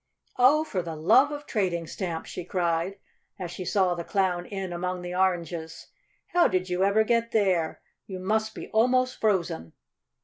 "Oh, for the love of trading stamps!" she cried, as she saw the Clown in among the oranges. "How did you ever get there? You must be almost frozen!"